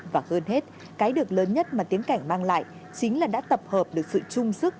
và hơn hết cái được lớn nhất mà tiếng cảnh mang lại chính là đã tập hợp được sự chung sức